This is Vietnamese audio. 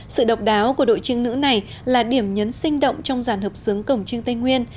sự độc đáo của đội chiêng nữ này là điểm nhấn sinh động trong dàn hợp sướng cổng trương tây nguyên